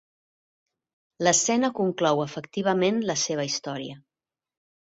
L'escena conclou efectivament la seva història.